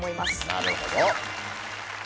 なるほど。